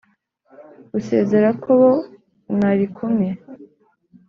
usezera ku bo mwari kumwe,